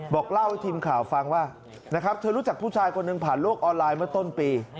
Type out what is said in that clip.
บอกเล่าให้ทีมข่าวฟังว่านะครับเธอรู้จักผู้ชายคนหนึ่งผ่านโลกออนไลน์เมื่อต้นปี